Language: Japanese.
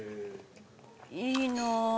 「いいなあ！」